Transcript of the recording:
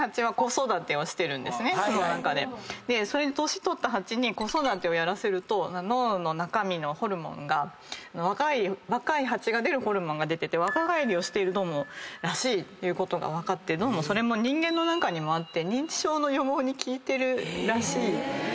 年取った蜂に子育てをやらせると脳の中身のホルモンが若い蜂が出るホルモンが出てて若返りをしているらしいということが分かってそれも人間の中にもあって認知症の予防に効いてるらしい。